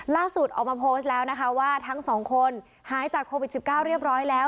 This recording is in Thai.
ล่าสุดออกมาโพสต์แล้วนะคะว่าทั้งสองคนหายจากโควิด๑๙เรียบร้อยแล้ว